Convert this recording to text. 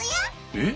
えっ？